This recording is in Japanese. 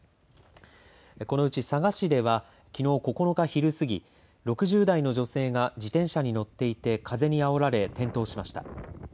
このうち佐賀市ではきのう９日昼過ぎ６０代の女性が自転車に乗っていて風にあおられ転倒しました。